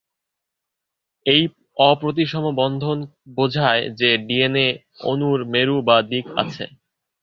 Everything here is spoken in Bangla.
এই অপ্রতিসম বন্ধন বোঝায় যে ডিএনএ অণুর মেরু বা দিক আছে।